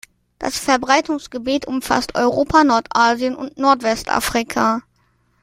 Das Verbreitungsgebiet umfasst Europa, Nordasien und Nordwestafrika.